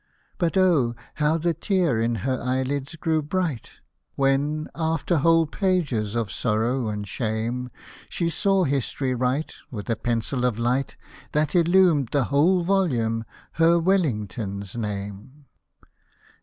But oh ! how the tear in her eyelids grew bright, When, after whole pages of sorrow and shame, She saw History write, With a pencil of light That illumed the whole volume, her Wellington's name.